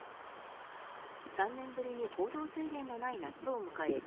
３年ぶりに行動制限のない夏を迎え